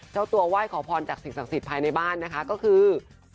เจ้าตัวไหว้ขอพรจากสิ่งศักดิ์สิทธิภายในบ้านนะคะก็คือ